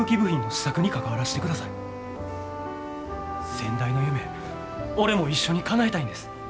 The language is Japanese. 先代の夢俺も一緒にかなえたいんです。